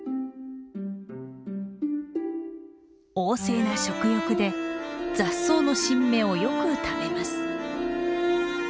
旺盛な食欲で雑草の新芽をよく食べます。